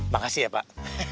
makasih ya pak